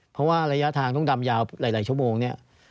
เพราะว่าระยะทางต้องดำยาวหลายชั่วโมงเนี่ย